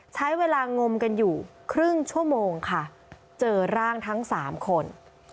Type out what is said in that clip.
ใช้เวลางมกันอยู่ครึ่งชั่วโมงค่ะเจอร่างทั้ง๓คน